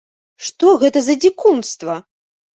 Што гэта за дзікунства?